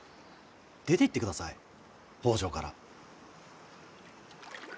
出ていってください北条から。